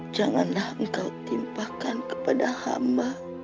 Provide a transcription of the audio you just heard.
janganlah engkau timpahkan kepada hama